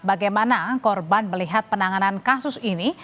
bagaimana korban melihat penanganan kasus ini